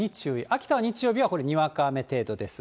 秋田は日曜日はこれ、にわか雨程度です。